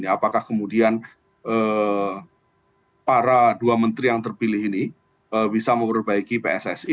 apakah kemudian para dua menteri yang terpilih ini bisa memperbaiki pssi